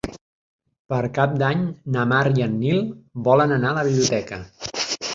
Per Cap d'Any na Mar i en Nil volen anar a la biblioteca.